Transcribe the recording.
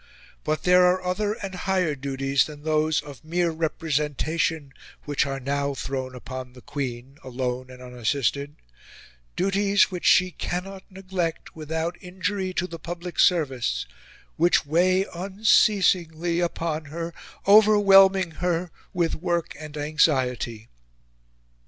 But there are other and higher duties than those of mere representation which are now thrown upon the Queen, alone and unassisted duties which she cannot neglect without injury to the public service, which weigh unceasingly upon her, overwhelming her with work and anxiety."